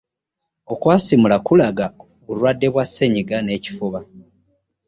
Okwasimula kulanga bulwadde bwa senyiga n'ekifuba.